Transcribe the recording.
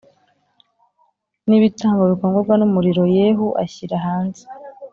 N ibitambo bikongorwa n umuriro yehu ashyira hanze